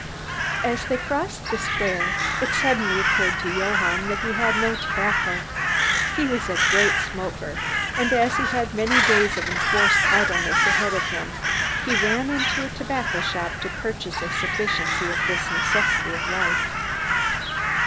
As they crossed the square, it suddenly occurred to Johann that he had no tobacco. He was a great smoker, and as he had many days of enforced idleness ahead of him, he ran into a tobacco shop to purchase a sufficiency of this necessity of life.